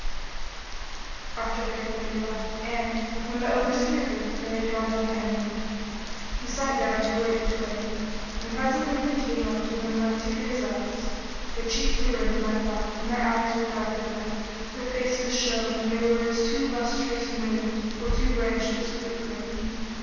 "[FN#18] After bathing they left; and, when the Overseer heard that they had gone to the Hammam, he sat down to await the twain, and presently they came up to him like two gazelles; their cheeks were reddened by the bath and their eyes were darker than ever; their faces shone and they were as two lustrous moons or two branches fruit laden.